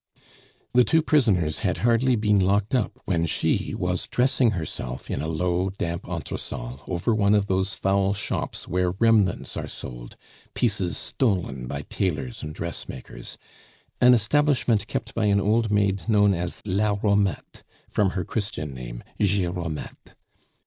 The two prisoners had hardly been locked up when she was dressing herself in a low, damp entresol over one of those foul shops where remnants are sold, pieces stolen by tailors and dressmakers an establishment kept by an old maid known as La Romette, from her Christian name Jeromette.